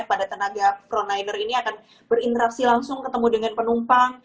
pada tenaga pronider ini akan berinteraksi langsung ketemu dengan penumpang